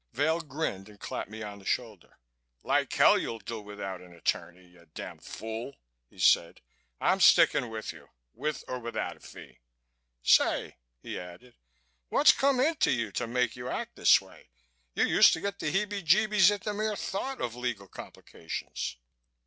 Vail grinned and clapped me on the shoulder. "Like hell you'll do without an attorney, you damn fool!" he said. "I'm sticking with you, with or without a fee. Say," he added, "what's come into you to make you act this way? You used to get the heebie jeebies at the mere thought of legal complications."